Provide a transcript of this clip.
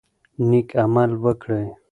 نیک عمل وکړئ.